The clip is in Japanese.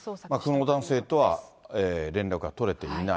この男性とは連絡が取れていない。